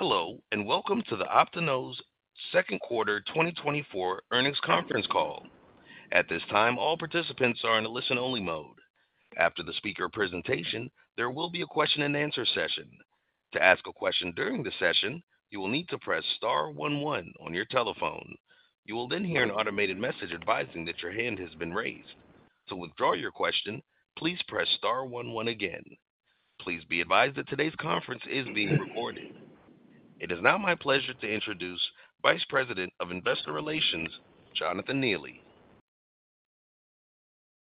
Hello, and welcome to the Optinose second quarter 2024 earnings conference call. At this time, all participants are in a listen-only mode. After the speaker presentation, there will be a question-and-answer session. To ask a question during the session, you will need to press star one one on your telephone. You will then hear an automated message advising that your hand has been raised. To withdraw your question, please press star one one again. Please be advised that today's conference is being recorded. It is now my pleasure to introduce Vice President of Investor Relations, Jonathan Neely.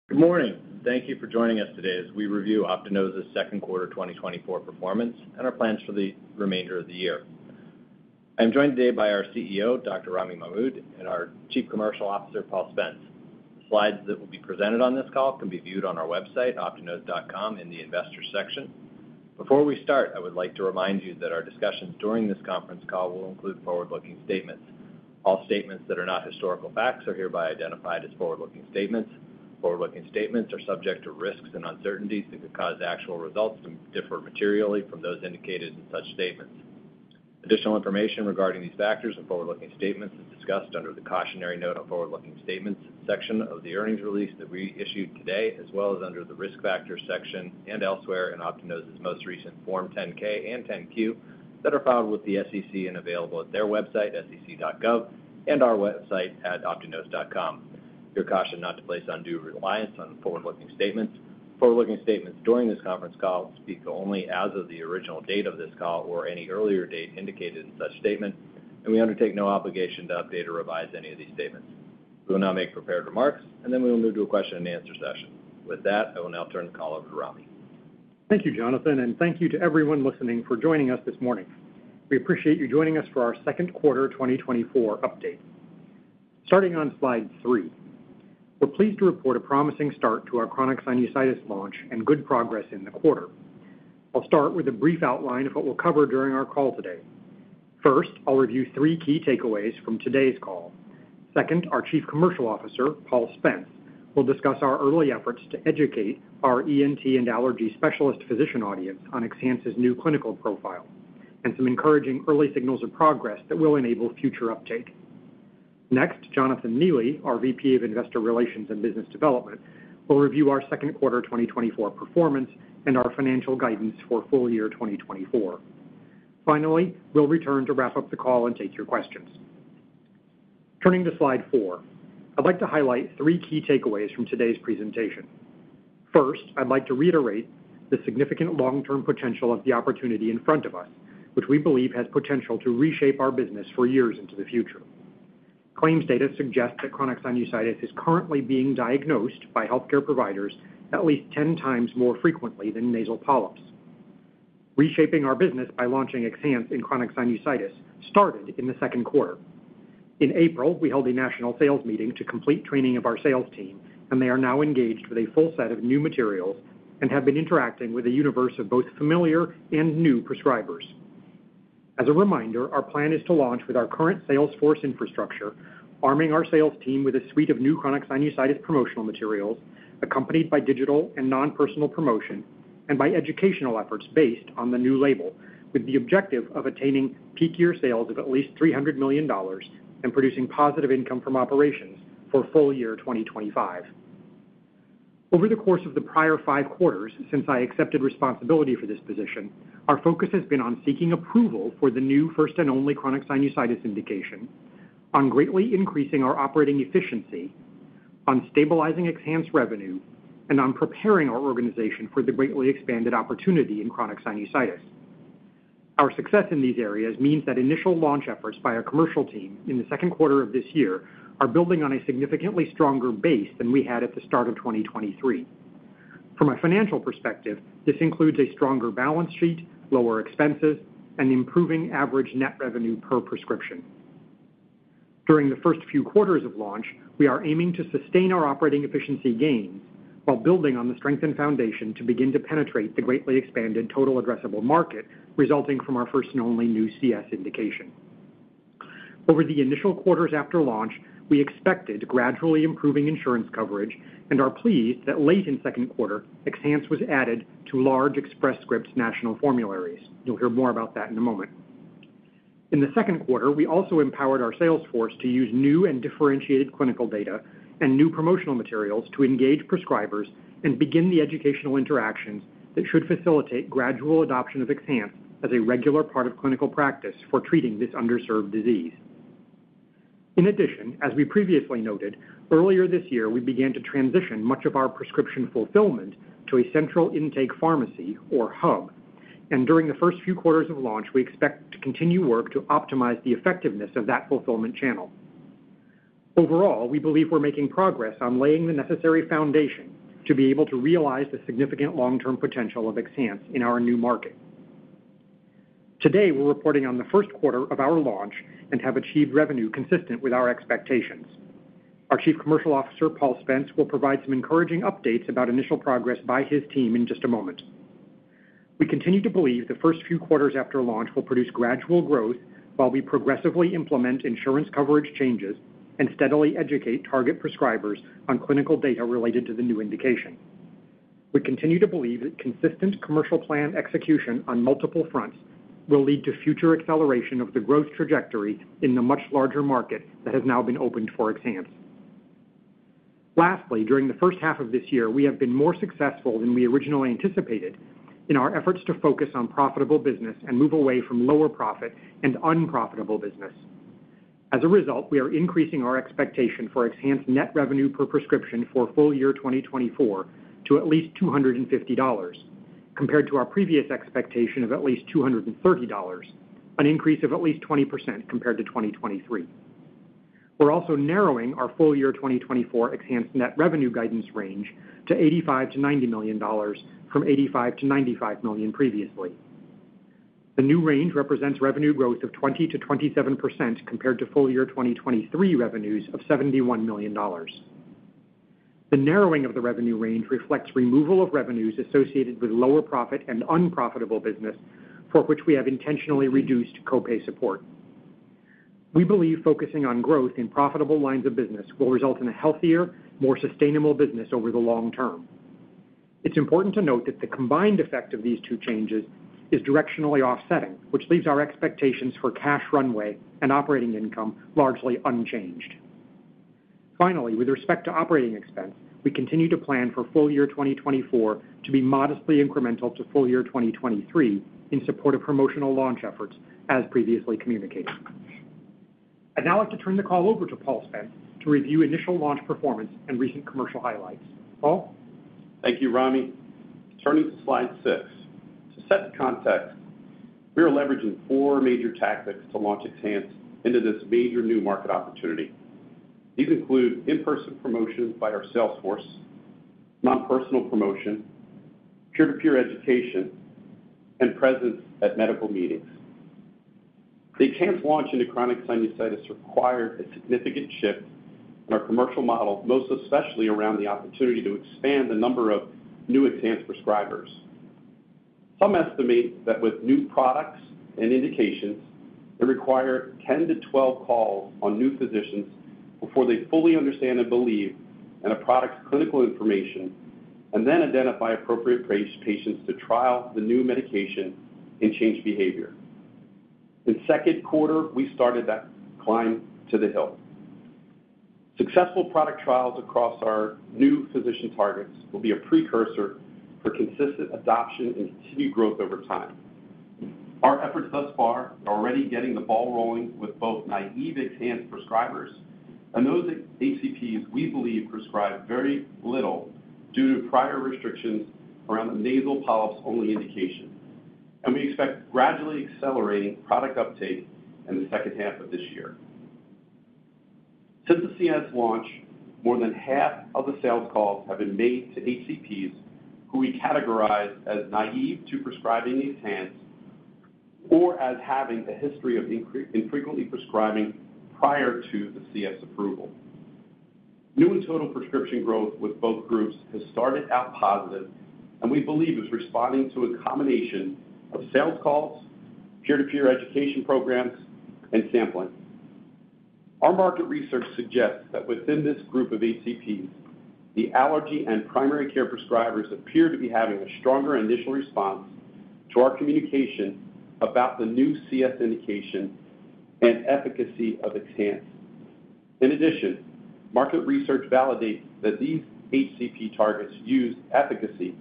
Good morning. Thank you for joining us today as we review Optinose's second quarter 2024 performance and our plans for the remainder of the year. I'm joined today by our CEO, Dr. Ramy Mahmoud, and our Chief Commercial Officer, Paul Spence. Slides that will be presented on this call can be viewed on our website, optinose.com, in the Investors section. Before we start, I would like to remind you that our discussions during this conference call will include forward-looking statements. All statements that are not historical facts are hereby identified as forward-looking statements. Forward-looking statements are subject to risks and uncertainties that could cause actual results to differ materially from those indicated in such statements. Additional information regarding these factors and forward-looking statements is discussed under the Cautionary Note on Forward-Looking Statements section of the earnings release that we issued today, as well as under the Risk Factors section and elsewhere in Optinose's most recent Form 10-K and 10-Q that are filed with the SEC and available at their website, sec.gov, and our website at optinose.com. You're cautioned not to place undue reliance on the forward-looking statements. Forward-looking statements during this conference call speak only as of the original date of this call or any earlier date indicated in such statement, and we undertake no obligation to update or revise any of these statements. We will now make prepared remarks, and then we will move to a question-and-answer session. With that, I will now turn the call over to Ramy. Thank you, Jonathan, and thank you to everyone listening for joining us this morning. We appreciate you joining us for our second quarter 2024 update. Starting on slide three, we're pleased to report a promising start to our chronic sinusitis launch and good progress in the quarter. I'll start with a brief outline of what we'll cover during our call today. First, I'll review three key takeaways from today's call. Second, our Chief Commercial Officer, Paul Spence, will discuss our early efforts to educate our ENT and allergy specialist physician audience on XHANCE's new clinical profile and some encouraging early signals of progress that will enable future uptake. Next, Jonathan Neely, our VP of Investor Relations and Business Development, will review our second quarter 2024 performance and our financial guidance for full year 2024. Finally, we'll return to wrap up the call and take your questions. Turning to slide four, I'd like to highlight 3 key takeaways from today's presentation. First, I'd like to reiterate the significant long-term potential of the opportunity in front of us, which we believe has potential to reshape our business for years into the future. Claims data suggests that chronic sinusitis is currently being diagnosed by healthcare providers at least 10 times more frequently than nasal polyps. Reshaping our business by launching XHANCE in chronic sinusitis started in the second quarter. In April, we held a national sales meeting to complete training of our sales team, and they are now engaged with a full set of new materials and have been interacting with a universe of both familiar and new prescribers. As a reminder, our plan is to launch with our current sales force infrastructure, arming our sales team with a suite of new chronic sinusitis promotional materials, accompanied by digital and non-personal promotion, and by educational efforts based on the new label, with the objective of attaining peak year sales of at least $300 million and producing positive income from operations for full year 2025. Over the course of the prior five quarters, since I accepted responsibility for this position, our focus has been on seeking approval for the new first and only chronic sinusitis indication, on greatly increasing our operating efficiency, on stabilizing XHANCE revenue, and on preparing our organization for the greatly expanded opportunity in chronic sinusitis. Our success in these areas means that initial launch efforts by our commercial team in the second quarter of this year are building on a significantly stronger base than we had at the start of 2023. From a financial perspective, this includes a stronger balance sheet, lower expenses, and improving average net revenue per prescription. During the first few quarters of launch, we are aiming to sustain our operating efficiency gains while building on the strengthened foundation to begin to penetrate the greatly expanded total addressable market, resulting from our first and only new CS indication. Over the initial quarters after launch, we expected gradually improving insurance coverage and are pleased that late in second quarter, XHANCE was added to large Express Scripts national formularies. You'll hear more about that in a moment. In the second quarter, we also empowered our sales force to use new and differentiated clinical data and new promotional materials to engage prescribers and begin the educational interactions that should facilitate gradual adoption of XHANCE as a regular part of clinical practice for treating this underserved disease. In addition, as we previously noted, earlier this year, we began to transition much of our prescription fulfillment to a central intake pharmacy or hub, and during the first few quarters of launch, we expect to continue work to optimize the effectiveness of that fulfillment channel. Overall, we believe we're making progress on laying the necessary foundation to be able to realize the significant long-term potential of XHANCE in our new market. Today, we're reporting on the first quarter of our launch and have achieved revenue consistent with our expectations. Our Chief Commercial Officer, Paul Spence, will provide some encouraging updates about initial progress by his team in just a moment. We continue to believe the first few quarters after launch will produce gradual growth while we progressively implement insurance coverage changes and steadily educate target prescribers on clinical data related to the new indication. We continue to believe that consistent commercial plan execution on multiple fronts will lead to future acceleration of the growth trajectory in the much larger market that has now been opened for XHANCE. Lastly, during the first half of this year, we have been more successful than we originally anticipated in our efforts to focus on profitable business and move away from lower profit and unprofitable business. As a result, we are increasing our expectation for XHANCE net revenue per prescription for full year 2024 to at least $250, compared to our previous expectation of at least $230, an increase of at least 20% compared to 2023. We're also narrowing our full year 2024 XHANCE net revenue guidance range to $85 million to $90 million from $85 million to $95 million previously. The new range represents revenue growth of 20%-27% compared to full year 2023 revenues of $71 million. The narrowing of the revenue range reflects removal of revenues associated with lower profit and unprofitable business, for which we have intentionally reduced co-pay support. We believe focusing on growth in profitable lines of business will result in a healthier, more sustainable business over the long term. It's important to note that the combined effect of these two changes is directionally offsetting, which leaves our expectations for cash runway and operating income largely unchanged. Finally, with respect to operating expense, we continue to plan for full year 2024 to be modestly incremental to full year 2023 in support of promotional launch efforts, as previously communicated. I'd now like to turn the call over to Paul Spence to review initial launch performance and recent commercial highlights. Paul? Thank you, Ramy. Turning to slide six. To set the context, we are leveraging 4 major tactics to launch XHANCE into this major new market opportunity. These include in-person promotions by our sales force, non-personal promotion, peer-to-peer education, and presence at medical meetings. The XHANCE launch into chronic sinusitis required a significant shift in our commercial model, most especially around the opportunity to expand the number of new XHANCE prescribers. Some estimate that with new products and indications, they require 10-12 calls on new physicians before they fully understand and believe in a product's clinical information, and then identify appropriate patients to trial the new medication and change behavior. In second quarter, we started that climb to the hill. Successful product trials across our new physician targets will be a precursor for consistent adoption and continued growth over time. Our efforts thus far are already getting the ball rolling with both naive XHANCE prescribers and those that HCPs, we believe, prescribe very little due to prior restrictions around the nasal polyps-only indication, and we expect gradually accelerating product uptake in the second half of this year. Since the CS launch, more than half of the sales calls have been made to HCPs, who we categorize as naive to prescribing XHANCE or as having a history of infrequently prescribing prior to the CS approval. New and total prescription growth with both groups has started out positive, and we believe is responding to a combination of sales calls, peer-to-peer education programs, and sampling. Our market research suggests that within this group of HCPs, the allergy and primary care prescribers appear to be having a stronger initial response to our communication about the new CS indication and efficacy of XHANCE. In addition, market research validates that these HCP targets use efficacy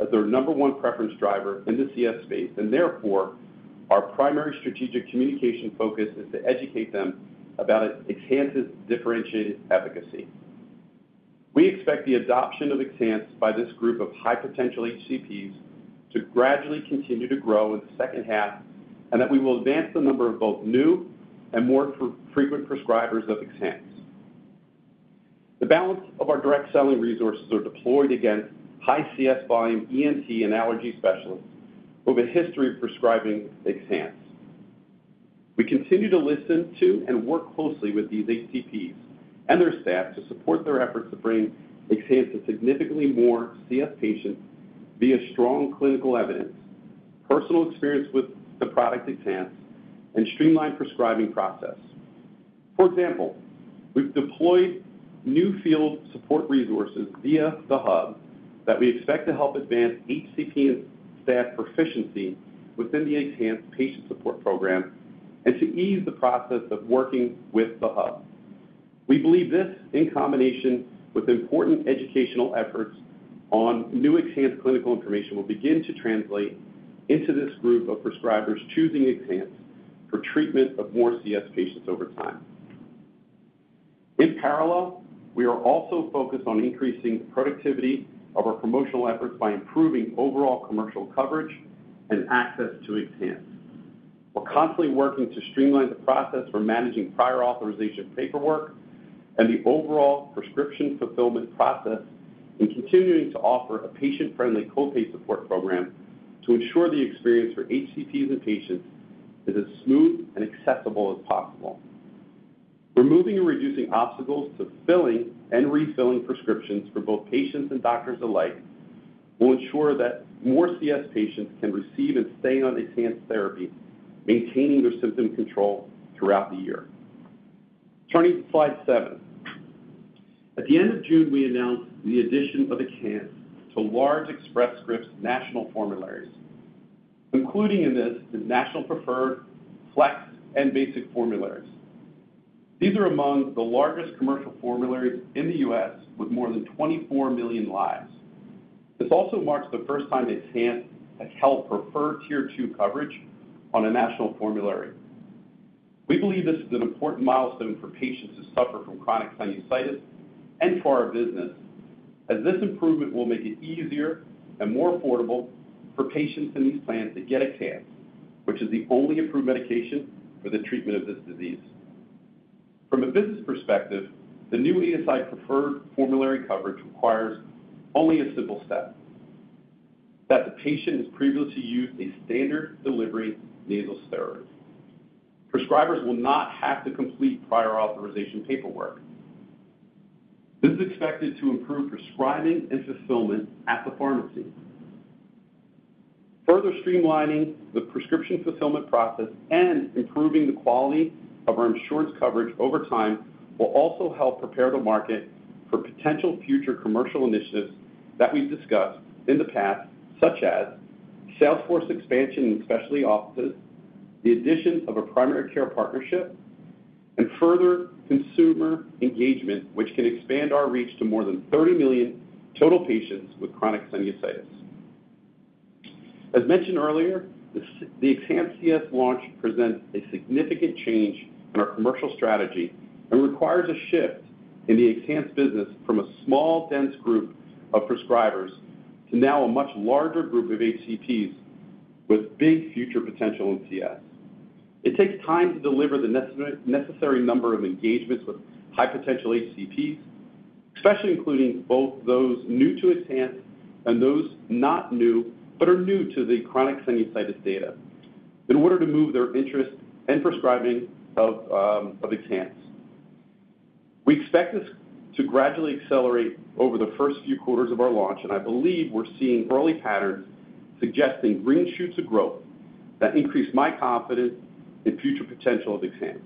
as their number one preference driver in the CS space, and therefore, our primary strategic communication focus is to educate them about XHANCE's differentiated efficacy. We expect the adoption of XHANCE by this group of high-potential HCPs to gradually continue to grow in the second half, and that we will advance the number of both new and more frequent prescribers of XHANCE. The balance of our direct selling resources are deployed against high CS volume, ENT, and allergy specialists with a history of prescribing XHANCE. We continue to listen to and work closely with these HCPs and their staff to support their efforts to bring XHANCE to significantly more CS patients via strong clinical evidence, personal experience with the product, XHANCE, and streamlined prescribing process. For example, we've deployed new field support resources via the hub that we expect to help advance HCP and staff proficiency within the XHANCE patient support program and to ease the process of working with the hub. We believe this, in combination with important educational efforts on new XHANCE clinical information, will begin to translate into this group of prescribers choosing XHANCE for treatment of more CS patients over time. In parallel, we are also focused on increasing the productivity of our promotional efforts by improving overall commercial coverage and access to XHANCE. We're constantly working to streamline the process for managing prior authorization paperwork and the overall prescription fulfillment process, and continuing to offer a patient-friendly co-pay support program to ensure the experience for HCPs and patients is as smooth and accessible as possible. Removing and reducing obstacles to filling and refilling prescriptions for both patients and doctors alike will ensure that more CS patients can receive and stay on XHANCE therapy, maintaining their symptom control throughout the year.... Turning to slide seven. At the end of June, we announced the addition of XHANCE to large Express Scripts national formularies, including in this the National Preferred, Flex, and Basic formularies. These are among the largest commercial formularies in the U.S., with more than 24 million lives. This also marks the first time that XHANCE has held preferred Tier two coverage on a national formulary. We believe this is an important milestone for patients who suffer from chronic sinusitis and for our business, as this improvement will make it easier and more affordable for patients in these plans to get XHANCE, which is the only approved medication for the treatment of this disease. From a business perspective, the new ESI preferred formulary coverage requires only a simple step, that the patient has previously used a standard delivery nasal steroid. Prescribers will not have to complete prior authorization paperwork. This is expected to improve prescribing and fulfillment at the pharmacy. Further streamlining the prescription fulfillment process and improving the quality of our insurance coverage over time will also help prepare the market for potential future commercial initiatives that we've discussed in the past, such as sales force expansion in specialty offices, the addition of a primary care partnership, and further consumer engagement, which can expand our reach to more than 30 million total patients with chronic sinusitis. As mentioned earlier, the XHANCE CS launch presents a significant change in our commercial strategy and requires a shift in the XHANCE business from a small, dense group of prescribers to now a much larger group of HCPs with big future potential in CS. It takes time to deliver the necessary number of engagements with high potential HCPs, especially including both those new to XHANCE and those not new, but are new to the chronic sinusitis data, in order to move their interest and prescribing of XHANCE. We expect this to gradually accelerate over the first few quarters of our launch, and I believe we're seeing early patterns suggesting green shoots of growth that increase my confidence in future potential of XHANCE.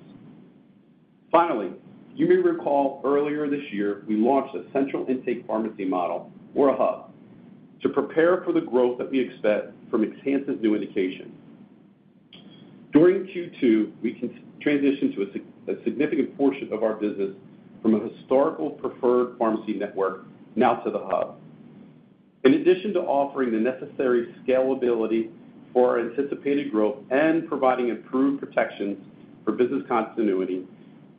Finally, you may recall earlier this year, we launched a central intake pharmacy model, or a hub, to prepare for the growth that we expect from XHANCE's new indication. During Q2, we transitioned to a significant portion of our business from a historical preferred pharmacy network now to the hub. In addition to offering the necessary scalability for our anticipated growth and providing improved protections for business continuity,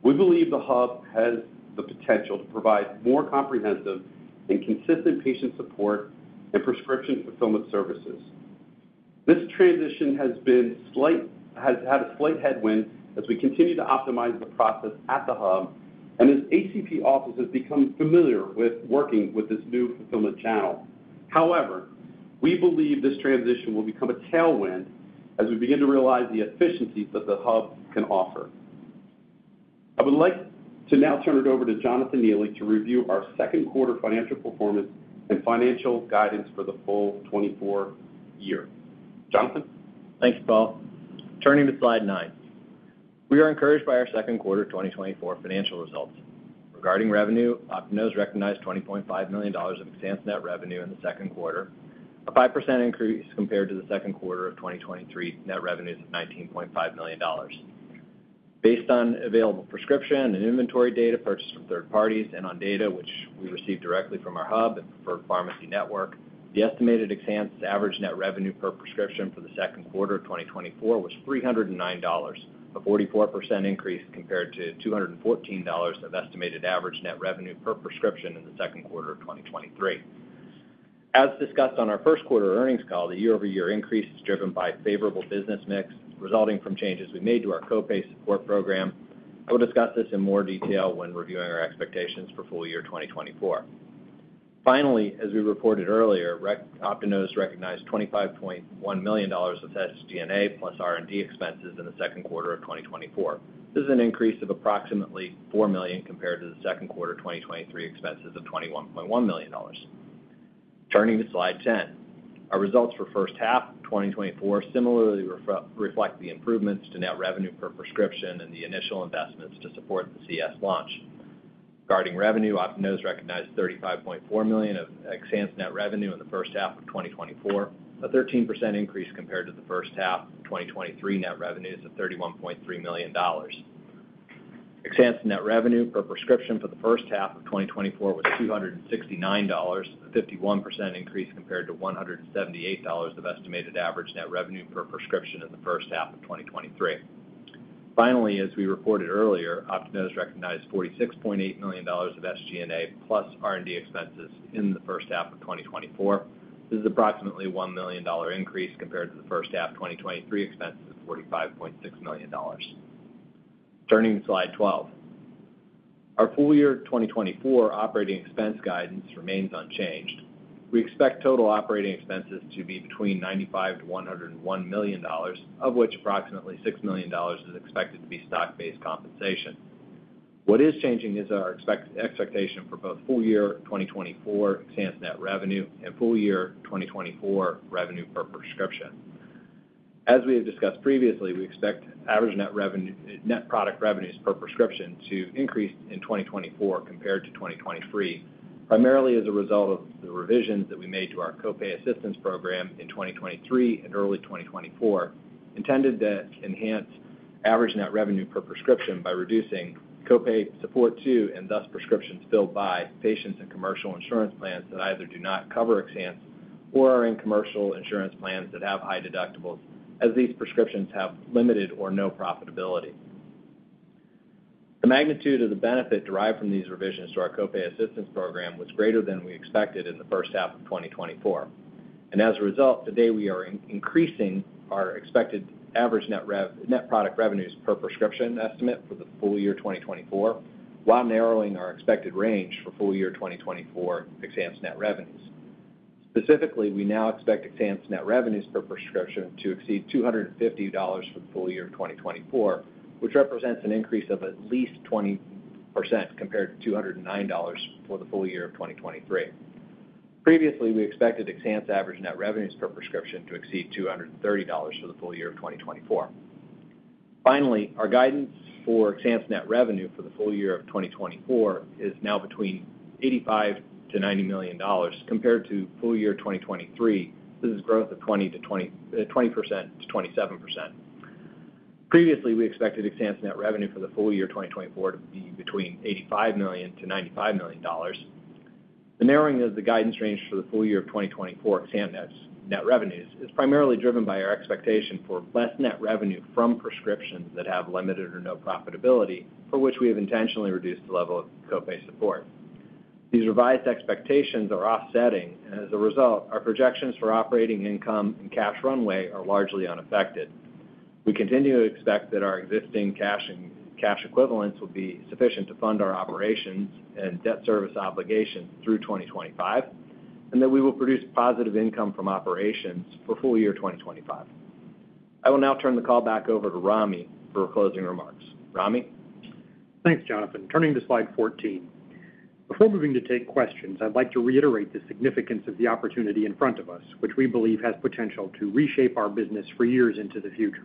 we believe the hub has the potential to provide more comprehensive and consistent patient support and prescription fulfillment services. This transition has had a slight headwind as we continue to optimize the process at the hub and as HCP offices become familiar with working with this new fulfillment channel. However, we believe this transition will become a tailwind as we begin to realize the efficiencies that the hub can offer. I would like to now turn it over to Jonathan Neely to review our second quarter financial performance and financial guidance for the full 2024 year, Jonathan? Thanks, Paul. Turning to slide nine. We are encouraged by our second quarter 2024 financial results. Regarding revenue, Optinose recognized $20.5 million of XHANCE net revenue in the second quarter, a 5% increase compared to the second quarter of 2023 net revenues of $19.5 million. Based on available prescription and inventory data purchased from third parties and on data which we received directly from our hub and preferred pharmacy network, the estimated XHANCE average net revenue per prescription for the second quarter of 2024 was $309, a 44% increase compared to $214 of estimated average net revenue per prescription in the second quarter of 2023. As discussed on our first quarter earnings call, the year-over-year increase is driven by favorable business mix, resulting from changes we made to our co-pay support program. We'll discuss this in more detail when reviewing our expectations for full year 2024. Finally, as we reported earlier, Optinose recognized $25.1 million of SG&A plus R&D expenses in the second quarter of 2024. This is an increase of approximately $4 million compared to the second quarter 2023 expenses of $21.1 million. Turning to slide 10. Our results for first half 2024 similarly reflect the improvements to net revenue per prescription and the initial investments to support the CS launch. Regarding revenue, Optinose recognized $35.4 million of XHANCE net revenue in the first half of 2024, a 13% increase compared to the first half of 2023 net revenues of $31.3 million. XHANCE net revenue per prescription for the first half of 2024 was $269, a 51% increase compared to $178 of estimated average net revenue per prescription in the first half of 2023. Finally, as we reported earlier, Optinose recognized $46.8 million of SG&A plus R&D expenses in the first half of 2024. This is approximately $1 million increase compared to the first half 2023 expenses of $45.6 million. Turning to slide 12. Our full year 2024 operating expense guidance remains unchanged. We expect total operating expenses to be between $95 million to $101 million, of which approximately $6 million is expected to be stock-based compensation. What is changing is our expectation for both full year 2024 XHANCE net revenue and full year 2024 revenue per prescription. As we have discussed previously, we expect average net revenue, net product revenues per prescription to increase in 2024 compared to 2023, primarily as a result of the revisions that we made to our copay assistance program in 2023 and early 2024, intended to enhance average net revenue per prescription by reducing copay support to, and thus prescriptions filled by, patients and commercial insurance plans that either do not cover XHANCE or are in commercial insurance plans that have high deductibles, as these prescriptions have limited or no profitability. The magnitude of the benefit derived from these revisions to our copay assistance program was greater than we expected in the first half of 2024, and as a result, today, we are increasing our expected average net product revenues per prescription estimate for the full year 2024, while narrowing our expected range for full year 2024 XHANCE net revenues. Specifically, we now expect XHANCE net revenues per prescription to exceed $250 for the full year of 2024, which represents an increase of at least 20% compared to $209 for the full year of 2023. Previously, we expected XHANCE average net revenues per prescription to exceed $230 for the full year of 2024. Finally, our guidance for XHANCE net revenue for the full year of 2024 is now between $85 million to $90 million compared to full year 2023. This is growth of 20%-27%. Previously, we expected XHANCE net revenue for the full year 2024 to be between $85 million-$95 million. The narrowing of the guidance range for the full year of 2024 XHANCE net revenues is primarily driven by our expectation for less net revenue from prescriptions that have limited or no profitability, for which we have intentionally reduced the level of copay support. These revised expectations are offsetting, and as a result, our projections for operating income and cash runway are largely unaffected. We continue to expect that our existing cash and cash equivalents will be sufficient to fund our operations and debt service obligations through 2025, and that we will produce positive income from operations for full year 2025. I will now turn the call back over to Ramy for closing remarks. Ramy? Thanks, Jonathan. Turning to slide 14. Before moving to take questions, I'd like to reiterate the significance of the opportunity in front of us, which we believe has potential to reshape our business for years into the future.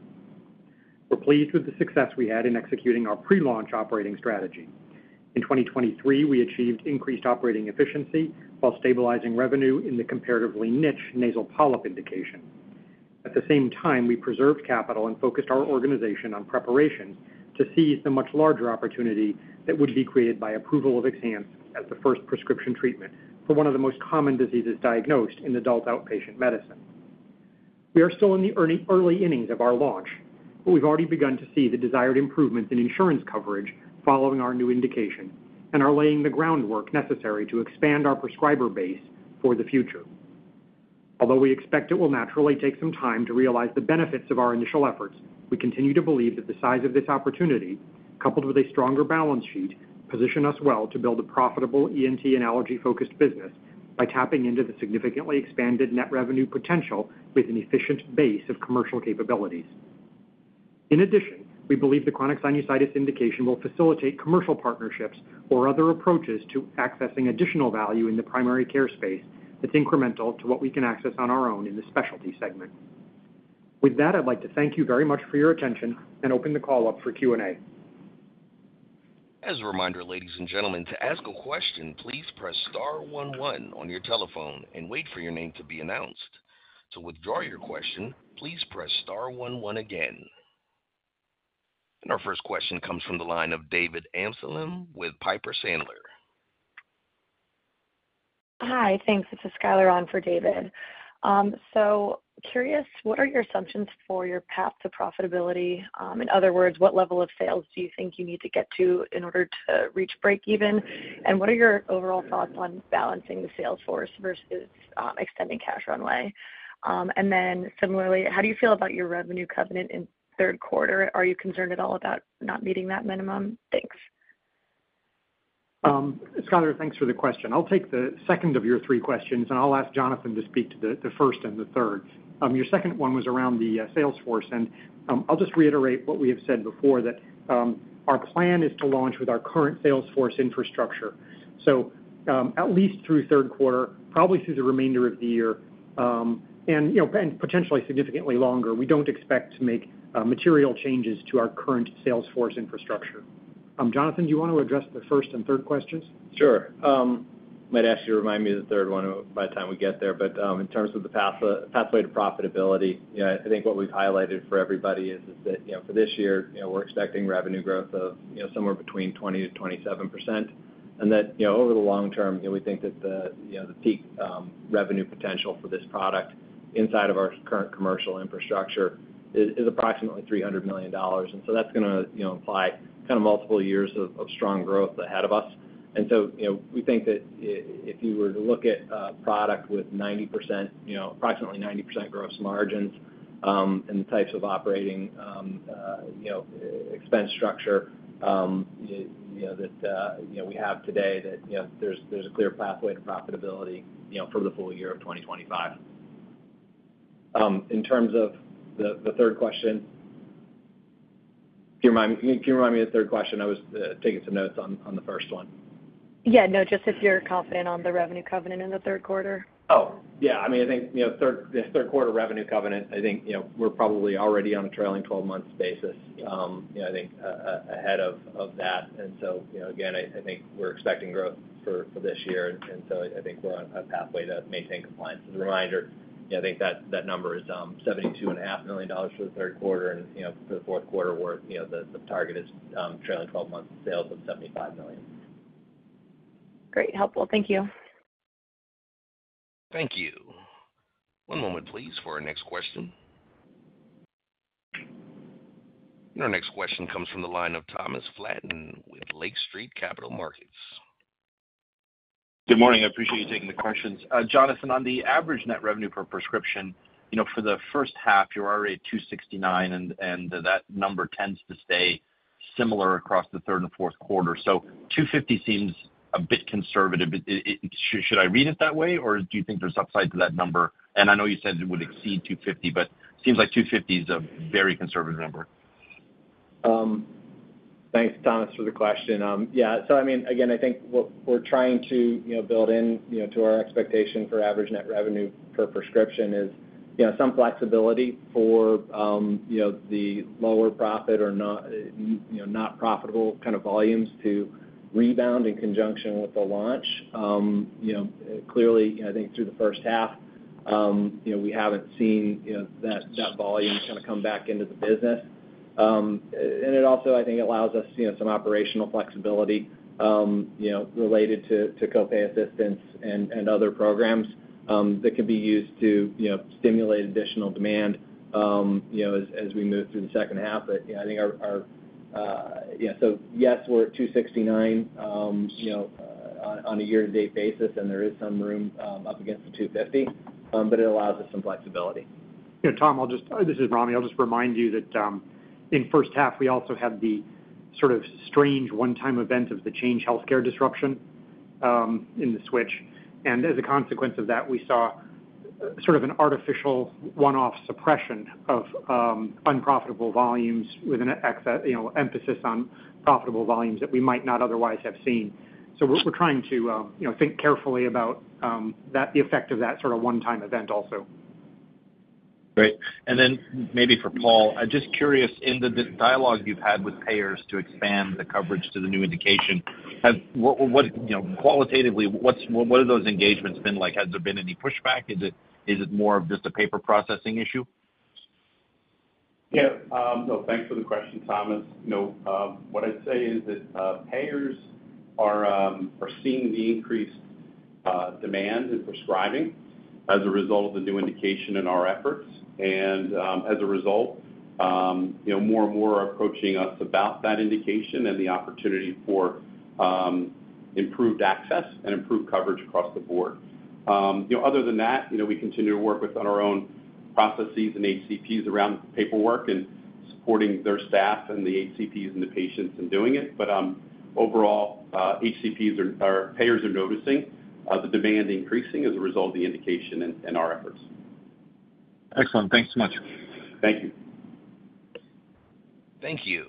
We're pleased with the success we had in executing our pre-launch operating strategy. In 2023, we achieved increased operating efficiency while stabilizing revenue in the comparatively niche nasal polyp indication. At the same time, we preserved capital and focused our organization on preparation to seize the much larger opportunity that would be created by approval of XHANCE as the first prescription treatment for one of the most common diseases diagnosed in adult outpatient medicine. We are still in the early, early innings of our launch, but we've already begun to see the desired improvements in insurance coverage following our new indication and are laying the groundwork necessary to expand our prescriber base for the future. Although we expect it will naturally take some time to realize the benefits of our initial efforts, we continue to believe that the size of this opportunity, coupled with a stronger balance sheet, position us well to build a profitable ENT and allergy-focused business by tapping into the significantly expanded net revenue potential with an efficient base of commercial capabilities. In addition, we believe the chronic sinusitis indication will facilitate commercial partnerships or other approaches to accessing additional value in the primary care space that's incremental to what we can access on our own in the specialty segment. With that, I'd like to thank you very much for your attention and open the call up for Q&A. As a reminder, ladies and gentlemen, to ask a question, please press star one one on your telephone and wait for your name to be announced. To withdraw your question, please press star one one again. Our first question comes from the line of David Amsellem with Piper Sandler. Hi, thanks. This is Skyler on for David. So curious, what are your assumptions for your path to profitability? In other words, what level of sales do you think you need to get to in order to reach breakeven? And what are your overall thoughts on balancing the sales force versus extending cash runway? And then similarly, how do you feel about your revenue covenant in third quarter? Are you concerned at all about not meeting that minimum? Thanks. Skyler, thanks for the question. I'll take the second of your three questions, and I'll ask Jonathan to speak to the first and the third. Your second one was around the sales force, and I'll just reiterate what we have said before, that our plan is to launch with our current sales force infrastructure. So, at least through third quarter, probably through the remainder of the year, and you know and potentially significantly longer, we don't expect to make material changes to our current sales force infrastructure. Jonathan, do you want to address the first and third questions? Sure. Might ask you to remind me of the third one by the time we get there, but in terms of the path, pathway to profitability, yeah, I think what we've highlighted for everybody is that, you know, for this year, you know, we're expecting revenue growth of, you know, somewhere between 20%-27%, and that, you know, over the long term, you know, we think that the, you know, the peak revenue potential for this product inside of our current commercial infrastructure is approximately $300 million. And so that's gonna, you know, imply kind of multiple years of strong growth ahead of us. And so, you know, we think that if you were to look at a product with 90%, you know, approximately 90% gross margins, and the types of operating, you know, expense structure, you know, that, you know, we have today, that, you know, there's, there's a clear pathway to profitability, you know, for the full year of 2025. In terms of the, the third question? Can you remind me, can you remind me of the third question? I was, taking some notes on, on the first one. Yeah, no, just if you're confident on the revenue covenant in the third quarter? Oh, yeah. I mean, I think, you know, the third quarter revenue covenant, I think, you know, we're probably already on a trailing twelve-month basis, you know, I think, ahead of that. And so, you know, again, I think we're expecting growth for this year, and so I think we're on a pathway to maintain compliance. As a reminder, you know, I think that number is $72.5 million for the third quarter, and, you know, for the fourth quarter, we're, you know, the target is trailing twelve months sales of $75 million. Great. Helpful. Thank you. Thank you. One moment, please, for our next question. Our next question comes from the line of Thomas Flaten with Lake Street Capital Markets. Good morning. I appreciate you taking the questions. Jonathan, on the average net revenue per prescription, you know, for the first half, you're already at $269, and that number tends to stay similar across the third and fourth quarter. So $250 seems a bit conservative. But should I read it that way, or do you think there's upside to that number? And I know you said it would exceed $250, but it seems like $250 is a very conservative number. Thanks, Thomas, for the question. Yeah, so I mean, again, I think what we're trying to, you know, build in, you know, to our expectation for average net revenue per prescription is, you know, some flexibility for, you know, the lower profit or not, you know, not profitable kind of volumes to rebound in conjunction with the launch. You know, clearly, I think through the first half, you know, we haven't seen, you know, that volume kind of come back into the business. It also, I think, allows us, you know, some operational flexibility, you know, related to copay assistance and other programs that could be used to, you know, stimulate additional demand, you know, as we move through the second half. But, you know, I think our yeah. Yes, we're at $269, you know, on a year-to-date basis, and there is some room up against the $250, but it allows us some flexibility. You know, Tom, I'll just... this is Ramy. I'll just remind you that, in first half, we also had the sort of strange one-time event of the Change Healthcare disruption, in the switch. And as a consequence of that, we saw sort of an artificial one-off suppression of, unprofitable volumes with an emphasis on profitable volumes that we might not otherwise have seen. So we're trying to, you know, think carefully about, that the effect of that sort of one-time event also. Great. And then maybe for Paul, I'm just curious, in the dialogue you've had with payers to expand the coverage to the new indication, what, you know, qualitatively, what are those engagements been like? Has there been any pushback? Is it more of just a paper processing issue? Yeah. So thanks for the question, Thomas. You know, what I'd say is that payers are seeing the increased demand in prescribing as a result of the new indication in our efforts. And, as a result, you know, more and more are approaching us about that indication and the opportunity for improved access and improved coverage across the board. You know, other than that, you know, we continue to work with on our own processes and HCPs around paperwork and supporting their staff and the HCPs and the patients in doing it. But, overall, HCPs or payers are noticing the demand increasing as a result of the indication and our efforts. Excellent. Thanks so much. Thank you. Thank you.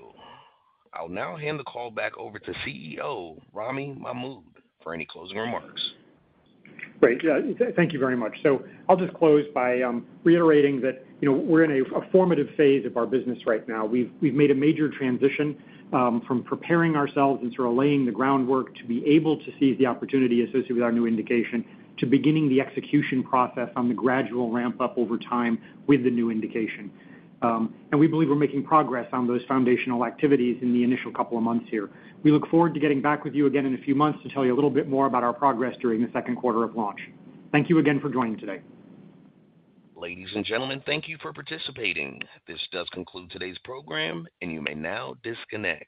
I'll now hand the call back over to CEO, Ramy Mahmoud, for any closing remarks. Great. Thank you very much. So I'll just close by reiterating that, you know, we're in a formative phase of our business right now. We've made a major transition from preparing ourselves and sort of laying the groundwork to be able to seize the opportunity associated with our new indication, to beginning the execution process on the gradual ramp up over time with the new indication. And we believe we're making progress on those foundational activities in the initial couple of months here. We look forward to getting back with you again in a few months to tell you a little bit more about our progress during the second quarter of launch. Thank you again for joining today. Ladies and gentlemen, thank you for participating. This does conclude today's program, and you may now disconnect.